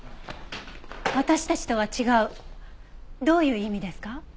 「私たちとは違う」どういう意味ですか？